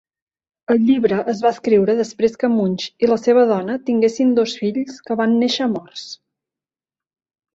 El llibre es va escriure després que Munsch i la seva dona tinguessin dos fills que van néixer morts.